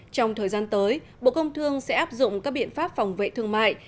trong thời gian tới bộ công thương sẽ áp dụng các biện pháp phòng vệ thương mại